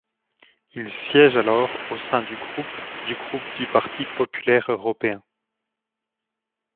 Il siège alors au sein du groupe du groupe du Parti populaire européen.